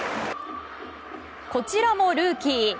こちらもルーキー。